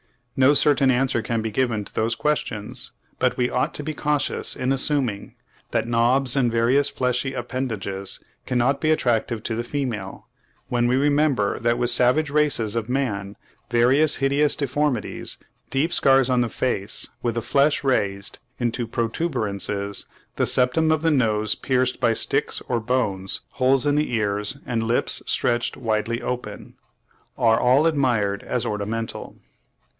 No certain answer can be given to these questions; but we ought to be cautious in assuming that knobs and various fleshy appendages cannot be attractive to the female, when we remember that with savage races of man various hideous deformities—deep scars on the face with the flesh raised into protuberances, the septum of the nose pierced by sticks or bones, holes in the ears and lips stretched widely open—are all admired as ornamental.